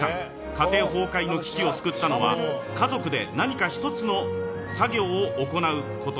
家庭崩壊の危機を救ったのは家族で何か一つの作業を行うこと。